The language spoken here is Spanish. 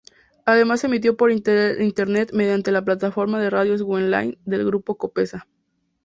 Además emitió por internet mediante la plataforma de radios on-line del grupo Copesa.